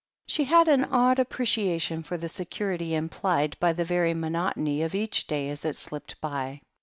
She had an odd appreciation for the security im plied by the very monotony of each day as it slipped by.